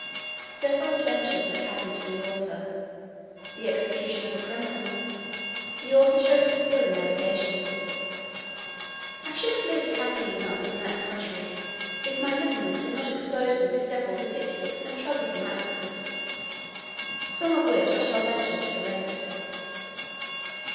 Several adventures that happened to the author. The execution of a criminal. The author shows his skill in navigation. I should have lived happy enough in that country, if my littleness had not exposed me to several ridiculous and troublesome accidents; some of which I shall venture to relate.